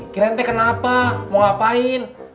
kirain teh kenapa mau ngapain